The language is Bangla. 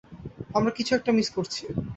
আমরা কিছু একটা মিস করছি।